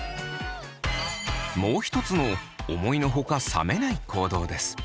もう一つの思いのほか冷めない行動です。